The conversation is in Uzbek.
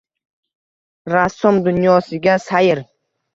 Rassom dunyosiga sayr